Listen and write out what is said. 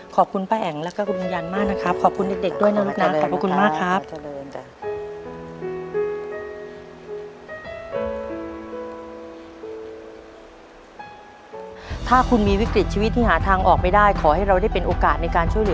ขอบคุณป้าแอ๋งและคุณวิญญาณมากนะครับ